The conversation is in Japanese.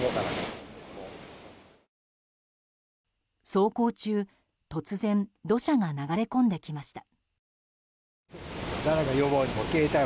走行中、突然土砂が流れ込んできました。